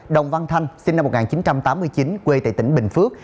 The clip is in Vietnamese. đồng văn thanh sinh năm một nghìn chín trăm tám mươi chín quê tại tỉnh bình phước